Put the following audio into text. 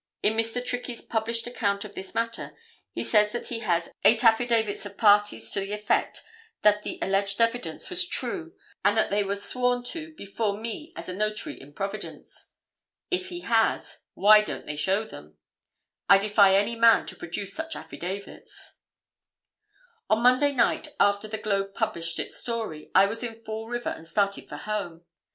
In Mr. Trickey's published account of this matter, he says that he has eight affidavits of parties to the effect that the alleged evidence was true and that they were sworn to before me as a notary in Providence. If he has, why don't they show them? I defy any man to produce such affidavits. [Illustration: REPORTER HENRY G. TRICKEY.] "On Monday night after the Globe published its story, I was in Fall River and started for home.